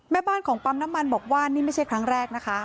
แม่บ้านของปั๊มน้ำมันบอกว่านี่ไม่ใช่ครั้งแรกนะคะ